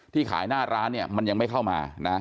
ที่ขายหน้าร้านมันยังไม่เข้ามา